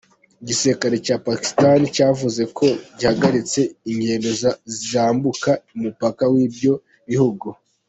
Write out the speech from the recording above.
Igisirikare ya Pakistani cyavuze ko cyahagaritse ingendo zambuka umupaka w'ibyo bihugu.